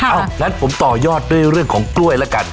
งั้นผมต่อยอดด้วยเรื่องของกล้วยแล้วกัน